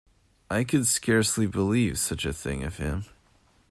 I could scarcely believe such a thing of him.